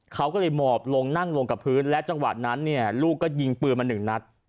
เขาก็เลยหมอบลงนั่งลงกับพื้นและจังหวะนั้นเนี่ยลูกก็ยิงปืนมาหนึ่งนัด